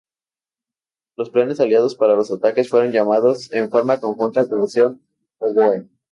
Los planes aliados para los ataques fueron llamados en forma conjunta "Operación Oboe".